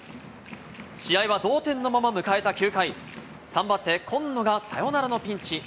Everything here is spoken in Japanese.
試合は同点のまま迎えた９回、３番手、今野がサヨナラのピンチ。